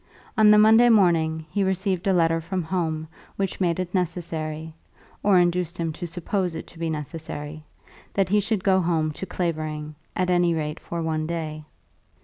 On the Monday morning he received a letter from home which made it necessary, or induced him to suppose it to be necessary, that he should go home to Clavering, at any rate for one day.